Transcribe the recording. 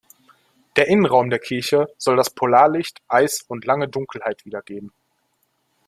Der Innenraum der Kirche soll das Polarlicht, Eis und lange Dunkelheit wiedergeben.